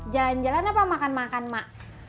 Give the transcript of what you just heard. jalan jalan apa makan makan mak